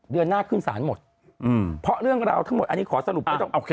เดือนหน้าขึ้นสารหมดเพราะเรื่องราวทั้งหมดอันนี้ขอสรุป